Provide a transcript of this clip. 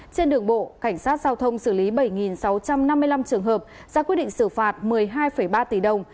trên đường bộ cảnh sát giao thông xử lý bảy sáu trăm năm mươi năm trường hợp ra quyết định xử phạt một mươi hai ba tỷ đồng